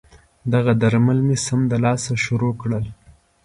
دغه درمل مې سمدلاسه شروع کړل.